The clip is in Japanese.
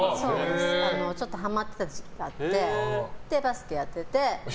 ちょっとハマってた時期があってバスケやってて。